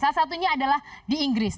salah satunya adalah di inggris